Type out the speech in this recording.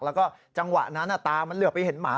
แล้วก็จังหวะนั้นตามันเหลือไปเห็นหมา